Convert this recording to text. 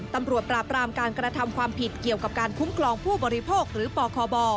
ตำรวจปราบรามการกระทำความผิดเกี่ยวกับการคุ้มครองผู้บริโภคหรือปคบ